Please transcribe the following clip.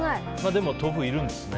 でも豆腐いるんですね。